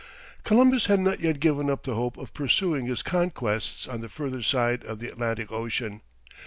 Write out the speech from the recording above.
Columbus had not yet given up the hope of pursuing his conquests on the further side of the Atlantic Ocean.